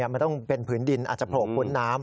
มันต้องเป็นผืนดินอาจจะโผล่พ้นน้ำ